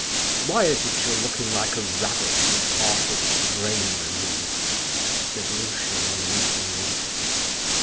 "Why is it you're looking like a rabbit with half its brain removed?" said Lushin on meeting me.